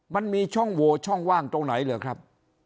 มันมีช่องโหวช่องว่างตรงไหนเหรอครับ